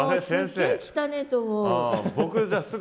もうすげえ汚えと思う。